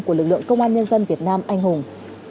của lực lượng công an nhân dân việt nam anh hùng